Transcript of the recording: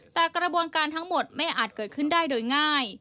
แต่กระบวนการทั้งหมดไม่อาจเกิดขึ้นได้โดยง่าย